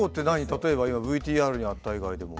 例えば今ＶＴＲにあった以外でも。